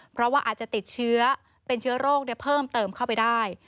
เพราะว่าอาจจะติดเชื้อเป็นเชื้อโรคเพิ่มเติมเข้าไปได้